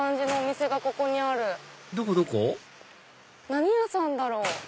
何屋さんだろう？